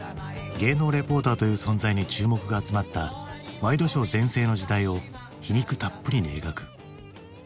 芸能レポーターという存在に注目が集まったワイドショー全盛の時代を皮肉たっぷりに描く。